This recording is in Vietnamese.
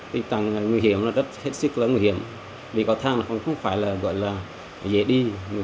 tuy tăng nguy hiểm rất hết sức là nguy hiểm đi cầu thang không phải là dễ đi